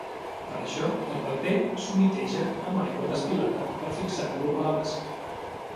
Per això, el paper s'humiteja amb aigua destil·lada per fixar-lo a la base.